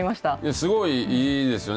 すごいいいですよね。